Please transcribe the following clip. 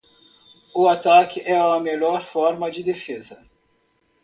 O ataque é a melhor forma de defesa.